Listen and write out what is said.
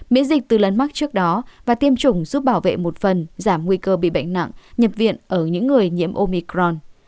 miễn dịch từ lần mắc trước đó và tiêm chủng giúp bảo vệ một phần giảm nguy cơ bị bệnh nặng nhập viện ở những người nhiễm omicron